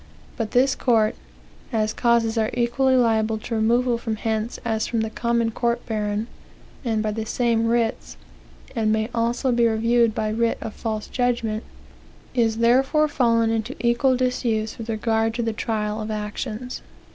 But this court, as causes are equally liable to removal from hence as from the common court baron, and by the same writs, and may also be reviewed by writ of false judgment, is therefore fallen into equal disuse with regard to the trial of actions."